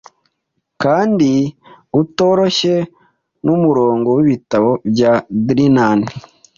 kandi utoroshye numurongo wibitabo bya Drinan